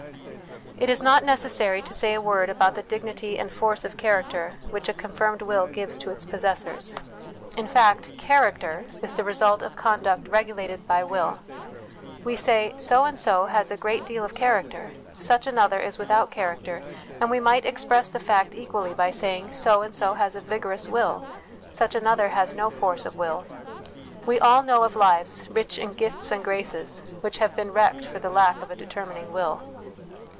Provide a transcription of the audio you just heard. It is not necessary to say a word about the dignity and force of character which a confirmed will gives to its possessors. In fact, character is the result of conduct regulated by will. We say, So and so has a great deal of character, such another is without character ; and we might express the fact equally by saying, So and so has a vigorous will, such another has no force of will. We all know of lives, rich in gifts and graces, which have been wrecked for the lack of a determining will.